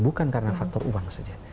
bukan karena faktor uang saja